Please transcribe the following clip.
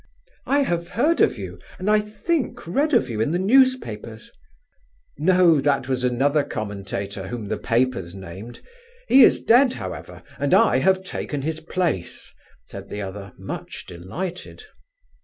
"I have heard of you, and I think read of you in the newspapers." "No, that was another commentator, whom the papers named. He is dead, however, and I have taken his place," said the other, much delighted.